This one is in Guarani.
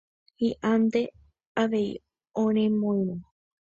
Hi'ã nde avei oremoirũ